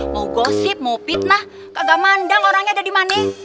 mau gosip mau fitnah kagak mandang orangnya ada dimana